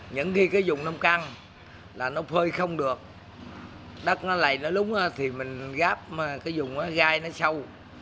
những cái dùng năm căng là nó phơi không được đất nó lầy nó lúng thì mình gáp cái dùng gai nó sâu